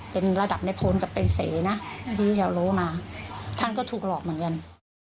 เป็นระดับนายโพลกับเป็นเสนะที่แถวโลงอ่ะท่านก็ถูกหลอกเหมือนกัน